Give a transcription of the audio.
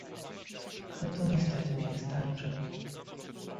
Ale to niestety nie wystarczy